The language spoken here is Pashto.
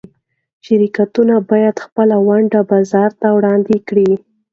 شرکتونه باید خپلې ونډې بازار ته وړاندې کړي.